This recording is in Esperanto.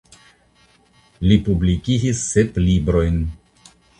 Li publikigis sep librojn.